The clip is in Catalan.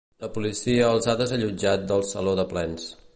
La policia els ha desallotjat del saló de plens.